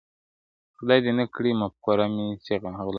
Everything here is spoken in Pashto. خدای دي نه کړي مفکوره مي سي غلامه,